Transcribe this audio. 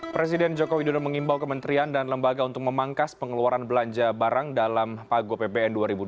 presiden jokowi dodo mengimbau kementerian dan lembaga untuk memangkas pengeluaran belanja barang dalam pagu ppn dua ribu dua puluh